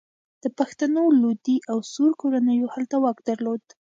د پښتنو لودي او سور کورنیو هلته واک درلود.